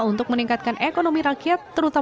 untuk meningkatkan ekonomi rakyat